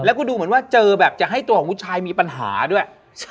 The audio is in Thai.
แล้วก็ดูเหมือนว่าเจอแบบจะให้ตัวของผู้ชายมีปัญหาด้วย